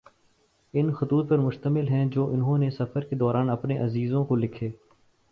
ان خطوط پر مشتمل ہیں جو انھوں نے سفر کے دوران اپنے عزیزوں کو لکھے